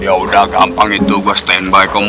ya udah gampang itu gue standby